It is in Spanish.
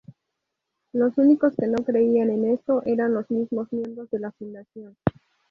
Los únicos que no creían en esto eran los mismos miembros de la Fundación.